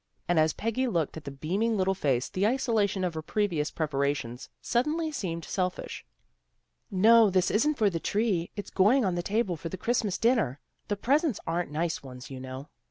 And as Peggy looked at the beaming little face the isolation of her previous preparations suddenly seemed selfish. "No, this isn't for the tree. It's going on the table for the Christmas dinner. The presents aren't nice ones, you know.